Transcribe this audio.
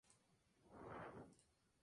Ha compuesto siete óperas.